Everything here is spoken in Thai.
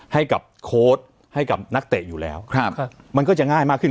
ให้กับโค้ดให้กับนักเตะอยู่แล้วมันก็จะง่ายมากขึ้น